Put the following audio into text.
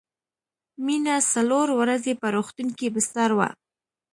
مينه څلور ورځې په روغتون کې بستر وه